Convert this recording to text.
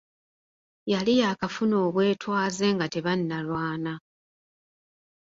Yali yaakafuna obwetwaze nga tebannalwana.